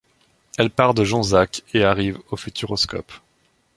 Elle part de Jonzac et arrive au Futuroscope.